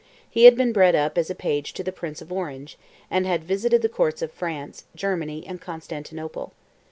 He had been bred up as page to the Prince of Orange, and had visited the Courts of France, Germany, and Constantinople.